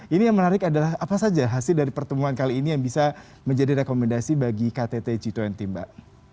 ini yang menarik adalah apa saja hasil dari pertemuan kali ini yang bisa menjadi rekomendasi bagi ktt g dua puluh mbak